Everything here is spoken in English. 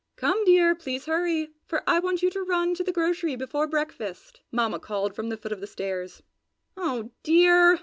"Come, dear! Please hurry, for I want you to run to the grocery before breakfast!" Mamma called from the foot of the stairs. "Oh dear!"